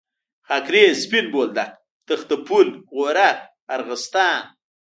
خاکریز، سپین بولدک، تخته پل، غورک، ارغستان.